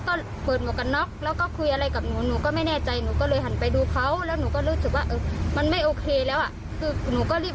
คือหนูก็มีครอบครัวของหนูอยู่แล้วไงให้ระมัดระวังกันไปไหนมาไหนคนเดียว